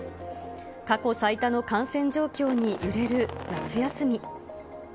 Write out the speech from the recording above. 過去最多の感染状況に揺れる夏休み。